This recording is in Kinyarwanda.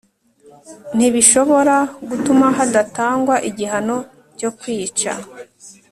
ntibishobora gutuma hadatangwa igihano cyo kwica